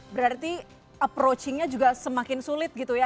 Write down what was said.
berarti approaching nya juga semakin sulit gitu ya